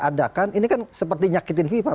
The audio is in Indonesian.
adakan ini kan seperti nyakitin fifa